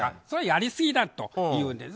それはやりすぎだと。